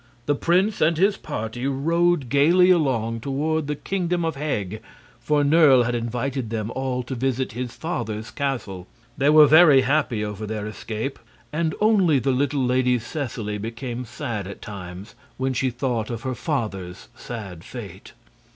The prince and his party rode gaily along toward the Kingdom of Heg, for Nerle had invited them all to visit his father's castle. They were very happy over their escape, and only the little Lady Seseley became sad at times, when she thought of her father's sad fate.